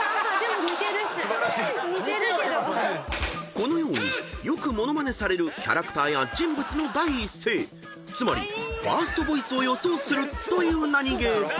［このようによくモノマネされるキャラクターや人物の第一声つまりＦＩＲＳＴＶＯＩＣＥを予想するというナニゲー］